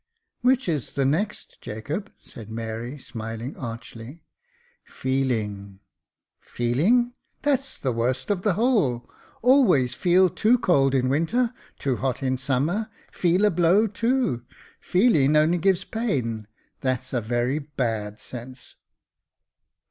"Which is the next, Jacob ?" said Mary, smiling archly. '' Feelifig." " Feeling ! that's the worst of the whole. Always feel too cold in winter, too hot in summer — feel a blow too ; feeling only gives pain ; that's a very bad sense."